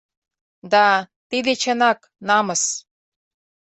— Да, тиде, чынак, намыс.